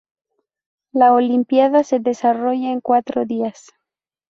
La olimpiada se desarrolla en cuatro días.